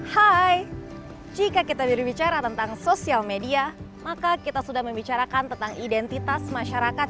hai jika kita berbicara tentang sosial media maka kita sudah membicarakan tentang identitas masyarakat